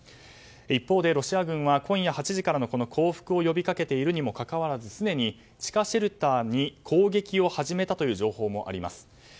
一方でロシア軍は今夜８時からの降伏を呼び掛けているにもかかわらずすでに地下シェルターに攻撃を始めたという情報もあります。